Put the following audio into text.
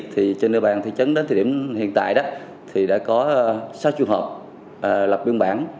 thì trên địa bàn thị trấn đến thời điểm hiện tại thì đã có sáu trường hợp lập biên bản